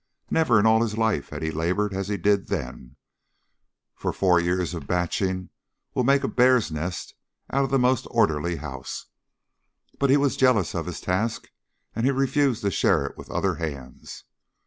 Never in all his life had he labored as he did then, for four years of "batching" will make a bear's nest out of the most orderly house, but he was jealous of his task and he refused to share it with other hands.